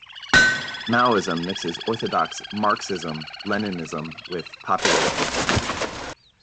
Maoism mixes orthodox Marxism-Leninism with populism.